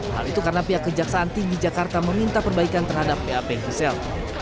hal itu karena pihak kejaksaan tinggi jakarta meminta perbaikan terhadap pap gisel